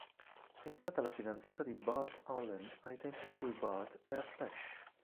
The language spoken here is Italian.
È stata la fidanzata di Bart Allen ai tempi in cui Bart era Flash.